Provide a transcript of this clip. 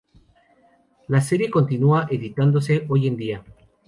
La serie continúa editándose hoy en día.